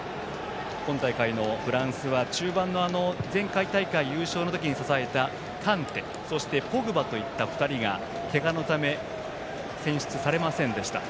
今大会のフランスは中盤の前回大会優勝の時に支えたカンテポグバといった２人がけがのため選出されませんでした。